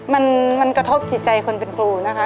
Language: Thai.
มันกระทบจิตใจคนเป็นครูนะคะ